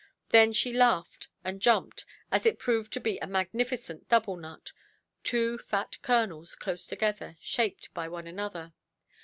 Then she laughed and jumped, as it proved to be a magnificent double nut—two fat kernels close together, shaped by one another.